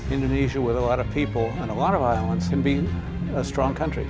indonesia dengan banyak orang dan banyak kekuatan bisa menjadi negara yang kuat